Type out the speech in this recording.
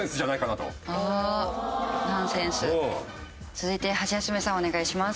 続いてハシヤスメさんお願いします。